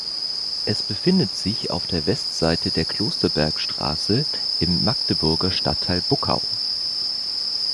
Es befindet sich auf der Westseite der Klosterbergestraße im Magdeburger Stadtteil Buckau.